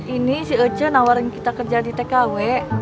ini si oj nawarin kita kerja di tkw